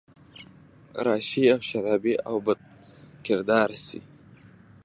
راشي او شرابي او بدکرداره شي